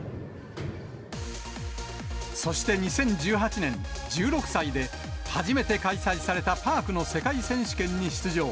そして２０１８年、１６歳で初めて開催されたパークの世界選手権に出場。